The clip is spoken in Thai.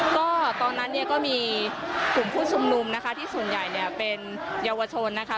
ก็ตอนนั้นเนี่ยก็มีกลุ่มผู้ชุมนุมนะคะที่ส่วนใหญ่เนี่ยเป็นเยาวชนนะคะ